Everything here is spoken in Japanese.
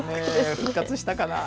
復活したかな？